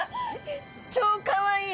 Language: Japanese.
超かわいい！